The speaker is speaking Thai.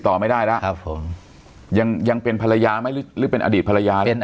ต่อไม่ได้แล้วครับผมยังยังเป็นภรรยาไหมหรือเป็นอดีตภรรยาเนี่ย